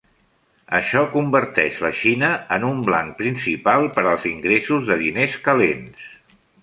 Això converteix la Xina en un blanc principal per als ingressos de diners calents.